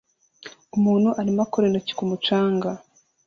Umuntu arimo akora intoki ku mucanga